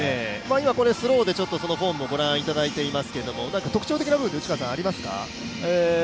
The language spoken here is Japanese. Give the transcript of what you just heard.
今、スローでそのフォームをご覧いただいていますけど特徴的な部分って、ありますか？